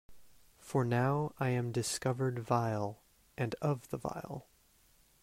For now I am discovered vile, and of the vile.